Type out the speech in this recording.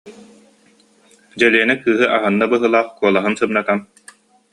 Дьэлиэнэ кыыһы аһынна быһыылаах, куолаһын сымнатан: